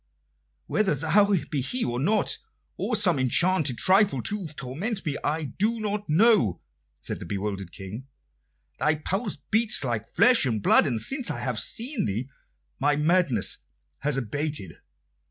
"Whether thou be he or not, or some enchanted trifle to torment me, I do not know," said the bewildered King. "Thy pulse beats like flesh and blood, and since I have seen thee my madness has abated.